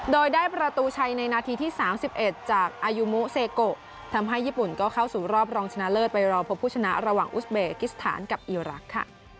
โดยได้ประตูชัยในนาทีที่๓๑จากอายุมุเซโกทำให้ญี่ปุ่นก็เข้าสู่รอบรองชนะเลิศไปรอพบผู้ชนะระหว่างอุสเบกิสถานกับอีรักษ์ค่ะ